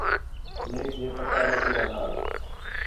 میک ہِے پتہ لڳ ڳِیا ہا